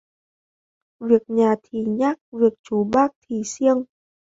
Việc nhà thì nhác việc chú bác thì siêng